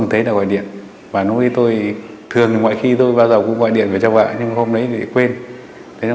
tại địa chỉ phường võ cường tp văn ninh